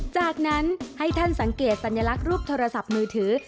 จากนั้นให้ท่านสังเกตสัญลักษณ์รูปโทรศัพท์มือถือ